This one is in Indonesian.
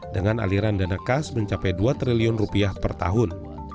dengan aliran dana kas mencapai dua triliun rupiah per tahun